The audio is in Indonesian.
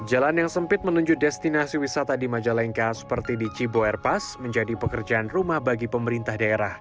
jalan yang sempit menuju destinasi wisata di majalengka seperti di cibo airpas menjadi pekerjaan rumah bagi pemerintah daerah